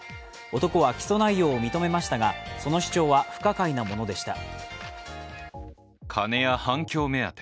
男は起訴内容を認めましたがその主張は不可解なものでした。